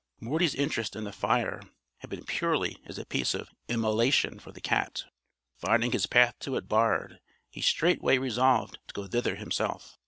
Morty's interest in the fire had been purely as a piece of immolation for the cat, but finding his path to it barred, he straightway resolved to go thither himself.